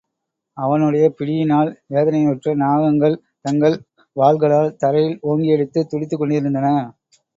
அவனுடைய பிடியினால் வேதனையுற்ற நாகங்கள் தங்கள் வால்களால் தரையில் ஓங்கியடித்துத் துடித்துக்கொண்டிருந்தன.